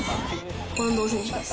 近藤選手です。